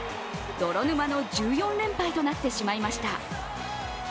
泥沼の１４連敗となってしまいました。